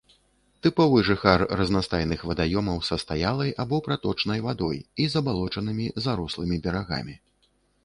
Тыповы жыхар разнастайных вадаёмаў са стаялай або праточнай вадой і забалочанымі, зарослымі берагамі.